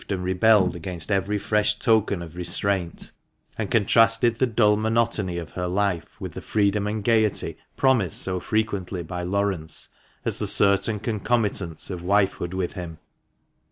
369 and rebelled against every fresh token of restraint, and contrasted the dull monotony of her life with the freedom and gaiety promised so frequently by Laurence as the certain concomitants of wifehood with him.